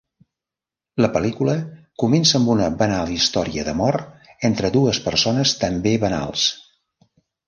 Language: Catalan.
La pel·lícula comença amb una banal història d'amor entre dues persones també banals.